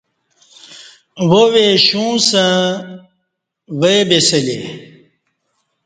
واوے شوں اسݩ ویی بی سلے